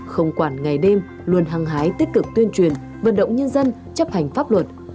không quản ngày đêm luôn hăng hái tích cực tuyên truyền vận động nhân dân chấp hành pháp luật